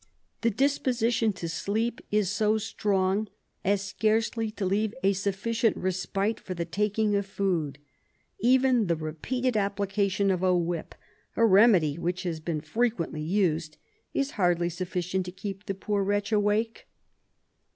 The disposition to sleep is so strong as scarcely to leave a sufficient respite for the taking of food ; even the repeated application of a whip, a remedy which has been frequently used, is hardly sufficient to keep the poor wretch awake."